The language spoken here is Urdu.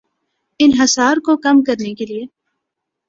انحصار کو کم کرنے کے لیے